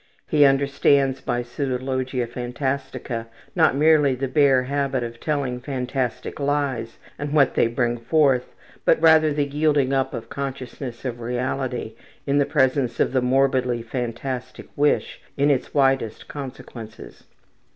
He understands by pseudologia phantastica not merely the bare habit of telling fantastic lies, and what they bring forth, but rather the yielding up of consciousness of reality in the presence of the morbidly fantastic wish in its widest consequences.